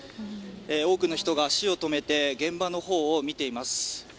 多くの人が足を止めて現場のほうを見ています。